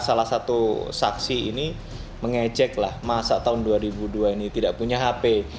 salah satu saksi ini mengeceklah masa tahun dua ribu dua ini tidak punya hp